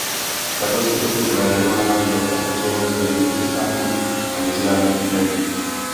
Katastrofě byla věnovaná velká pozornost ve vnitrostátních a mezinárodních médiích.